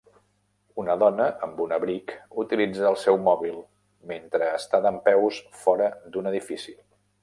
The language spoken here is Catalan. Una dona amb un abric utilitza el seu mòbil mentre està dempeus fora d"un edifici.